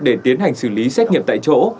để tiến hành xử lý xét nghiệm tại chỗ